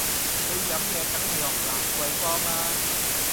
去飲嘢梗係落蘭桂芳啦